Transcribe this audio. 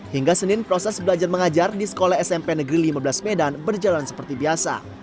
hingga senin proses belajar mengajar di sekolah smp negeri lima belas medan berjalan seperti biasa